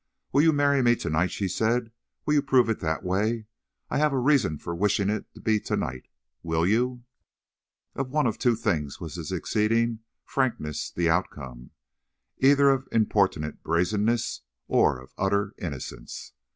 "Will you marry me to night?" she said. "Will you prove it that way. I have a reason for wishing it to be to night. Will you?" Of one of two things was this exceeding frankness the outcome: either of importunate brazenness or of utter innocence.